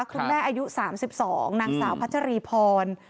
คุณแม่อายุ๓๒นางสาวพัชรีพร